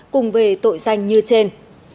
cùng về tội danh như trên